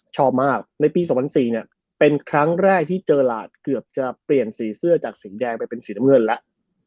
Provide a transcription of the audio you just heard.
ชอบมากในปี๒๐๐๔เนี่ยเป็นครั้งแรกที่เจอหลาดเกือบจะเปลี่ยนสีเสื้อจากสีแดงไปเป็นสีน้ำเงินแล้ว